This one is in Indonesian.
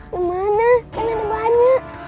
dimana kalian banyak